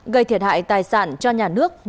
gây thiệt hại tài sản cho nhà nước năm tỷ đồng